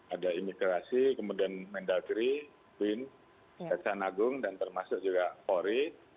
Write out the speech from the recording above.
ada imigrasi kemudian mendagri bin kejaksaan agung dan termasuk juga polri